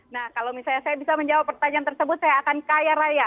nah kalau misalnya saya bisa menjawab pertanyaan tersebut saya akan kaya raya